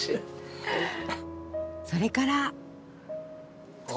それから。